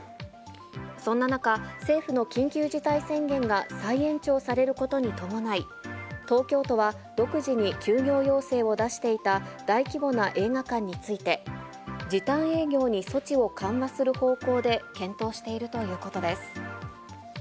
そんな中、政府の緊急事態宣言が再延長されることに伴い、東京都は、独自に休業要請を出していた大規模な映画館について、時短営業に措置を緩和する方向で検討しているということです。